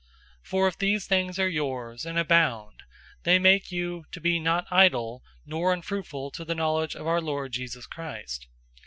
001:008 For if these things are yours and abound, they make you to be not idle nor unfruitful to the knowledge of our Lord Jesus Christ.